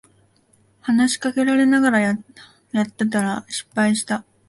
話しかけられながらやってたら失敗した